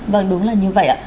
vâng đúng là như vậy ạ